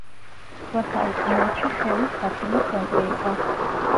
შუა საუკუნეებში ხევის სათემო ცენტრი იყო.